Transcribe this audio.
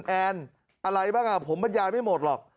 อะไรบ้างอ่ะผมบรรยายไม่หมดหรอก